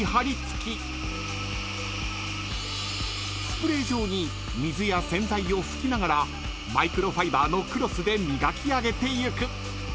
［スプレー状に水や洗剤を噴きながらマイクロファイバーのクロスで磨き上げていく］